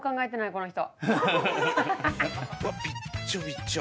この人」